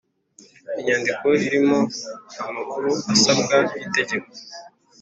inyandiko irimo amakuru asabwa n itegeko